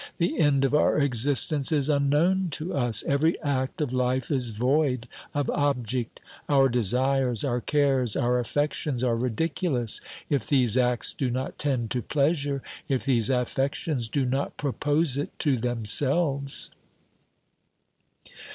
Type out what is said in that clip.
The end of our existence is unknown to us ; every act of life is void of object ; our desires, our cares, our affections are ridiculous, if these acts do not tend to pleasure, if these affections do not propose it to themselves.